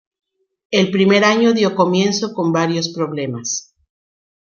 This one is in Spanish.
El primer año dio comienzo con varios problemas.